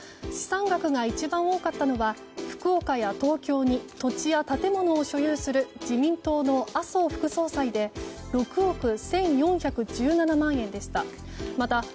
資産額が一番多かったのは福岡や東京に土地や建物を所有する自民党の麻生副総裁で６億１４１７万円でした。